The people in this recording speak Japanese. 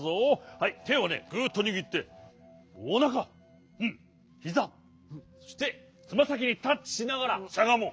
はいてをねグーッとにぎっておなかひざそしてつまさきにタッチしながらしゃがもう。